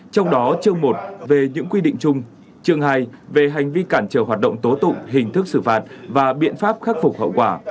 trong đó chương một về những quy định chung chương hai về hành vi cản trở hoạt động tố tụng hình thức xử phạt và biện pháp khắc phục hậu quả